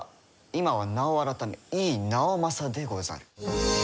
今は名を改め井伊直政でござる。